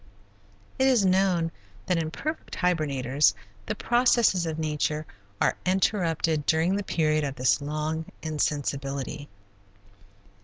It is known that in perfect hibernators the processes of nature are interrupted during the period of this long insensibility.